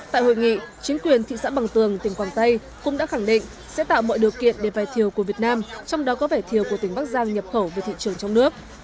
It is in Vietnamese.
tại hội nghị chính quyền thị xã bằng tường tỉnh quảng tây cũng đã khẳng định sẽ tạo mọi điều kiện để vải thiều của việt nam trong đó có vải thiều của tỉnh bắc giang nhập khẩu về thị trường trong nước